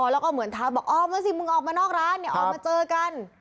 แล้วก็เหมือนท้าบอกออกมาสิมึงออกมานอกร้านเนี่ยออกมาเจอกัน